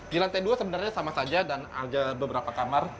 di lantai dua sebenarnya sama saja dan ada beberapa kamar